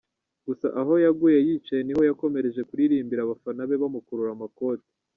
gusa aho yaguye yicaye niho yakomereje kuririmba abafana be bamukurura amakote.